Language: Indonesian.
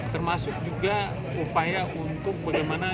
termasuk juga upaya untuk bagaimana